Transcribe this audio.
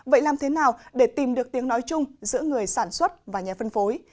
vậy làm thế nào để tìm được tiếng nói chung giữa người sản xuất và nhà phân phối